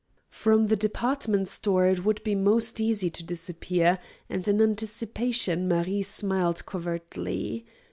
From the department store it would be most easy to disappear, and in anticipation Marie smiled covertly.